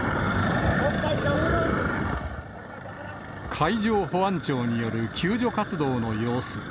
海上保安庁による救助活動の様子。